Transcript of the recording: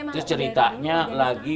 terus ceritanya lagi